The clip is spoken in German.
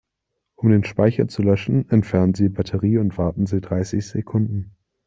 Um den Speicher zu löschen, entfernen Sie die Batterie und warten Sie dreißig Sekunden.